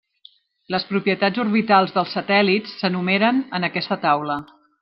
Les propietats orbitals dels satèl·lits s'enumeren en aquesta taula.